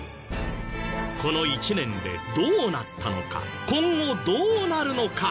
この１年でどうなったのか今後どうなるのか。